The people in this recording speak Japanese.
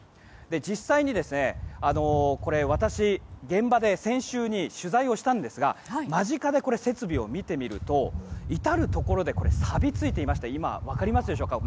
実際に私、現場で先週取材をしたんですが間近で設備を見てみると至るところでさび付いていて分かりますでしょうか。